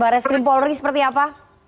baris krim polri seperti apa